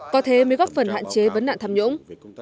có thế mới góp phần hạn chế vấn nạn tham nhũng